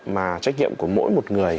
mà trách nhiệm của mỗi một người